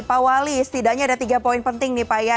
pak wali setidaknya ada tiga poin penting nih pak ya